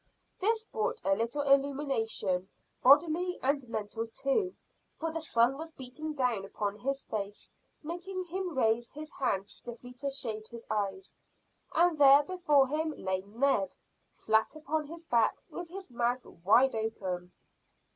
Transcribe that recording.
This brought a little illumination, bodily and mental too, for the sun was beating down upon his face making him raise his hand stiffly to shade his eyes; and there before him lay Ned, flat upon his back, with his mouth wide open.